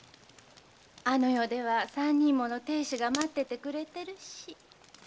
あの世では三人もの亭主が待っててくれてるし。